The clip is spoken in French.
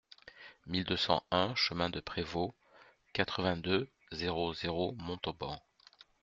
mille deux cent un chemin de Prévost, quatre-vingt-deux, zéro zéro zéro, Montauban